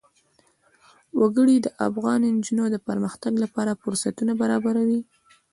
وګړي د افغان نجونو د پرمختګ لپاره فرصتونه برابروي.